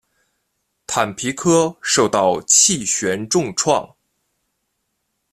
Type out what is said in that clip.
坦皮科受到气旋重创。